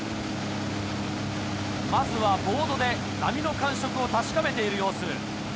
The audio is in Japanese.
まずはボードで波の感触を確かめている様子。